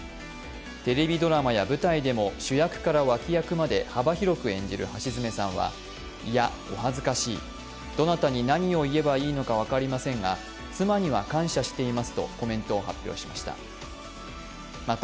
テレビドラマや舞台でも主役から脇役まで幅広く演じる橋詰さんは、いや、お恥ずかしい、どなたに何を言えばいいか分かりませんが妻には感謝していますとコメントを発表しました。